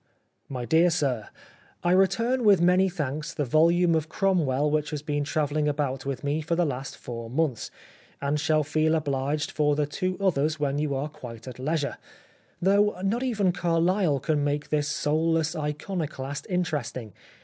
My dear Sir, — I return with many thanks the volume of Cromwell which has been travelling about with me for the last four months, and shall feel obliged for the two others when you are quite at leisure, though not even Carlyle can make this soulless iconoclast interesting.